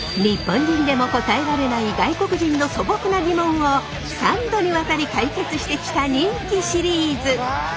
日本人でも答えられない外国人の素朴なギモンを３度にわたり解決してきた人気シリーズ！